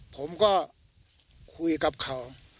ผมก็คุยกับเขา